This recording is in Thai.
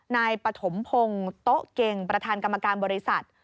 นายปฐมพงศ์โต๊ะเก่งประธานกรรมการบริษัท